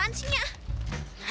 nya ngapain sih pakai baju kaya gini